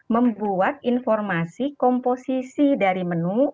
membuat informasi komposisi dari menu